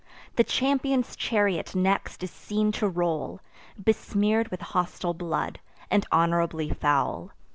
The champion's chariot next is seen to roll, Besmear'd with hostile blood, and honourably foul.